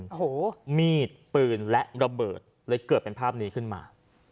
โอ้โหมีดปืนและระเบิดเลยเกิดเป็นภาพนี้ขึ้นมา